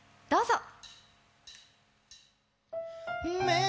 どうぞ。